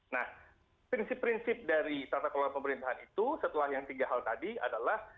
nah prinsip prinsip dari tata kelola pemerintahan itu setelah yang tiga hal tadi adalah